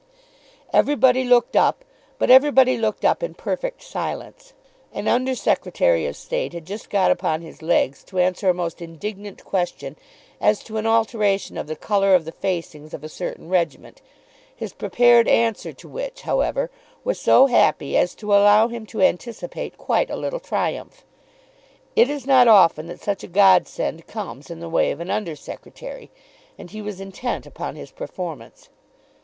Everybody looked up, but everybody looked up in perfect silence. An Under Secretary of State had just got upon his legs to answer a most indignant question as to an alteration of the colour of the facings of a certain regiment, his prepared answer to which, however, was so happy as to allow him to anticipate quite a little triumph. It is not often that such a Godsend comes in the way of an under secretary; and he was intent upon his performance.